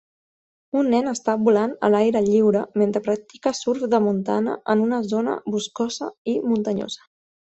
Un nen està volant a l'aire lliure mentre practica surf de muntana en una zona boscosa i muntanyosa.